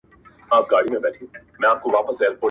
ماته د پېغلي کور معلوم دی!